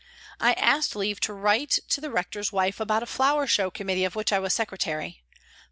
I asked leave to write to the Rector's wife about a flower show committee of which I was secretary.